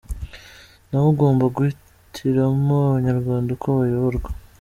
Ntawe ugomba guhitiramo Abanyarwanda uko bayoborwa.